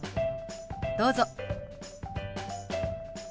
どうぞ。